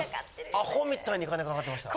アホみたいに金かかってました。